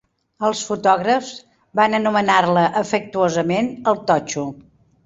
Els fotògrafs van anomenar-la afectuosament "el totxo".